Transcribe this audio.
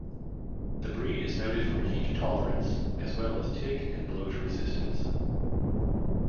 The breed is noted for heat tolerance, as well as tick and bloat resistance.